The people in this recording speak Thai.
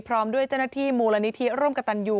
พร้อมด้วยเจ้าหน้าที่มูลนิธิร่วมกับตันยู